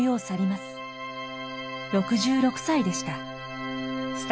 ６６歳でした。